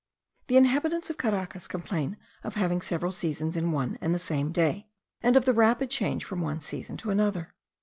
The inhabitants of Caracas complain of having several seasons in one and the same day; and of the rapid change from one season to another.